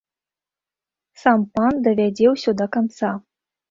Сам пан давядзе ўсё да канца.